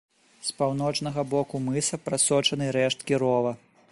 З паўночнага боку мыса прасочаны рэшткі рова.